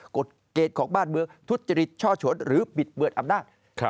กฎเกณฑ์ของบ้านเมืองทุจริตช่อฉนหรือบิดเบือนอำนาจ